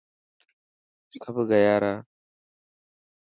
سڀ گيا را.